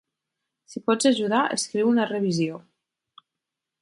Si pots ajudar, escriu una revisió.